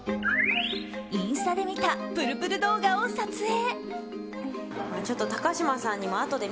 インスタで見たプルプル動画を撮影。